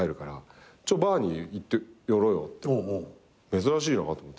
珍しいなと思って。